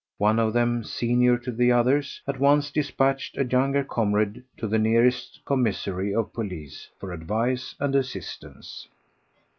One of them—senior to the others—at once dispatched a younger comrade to the nearest commissary of police for advice and assistance.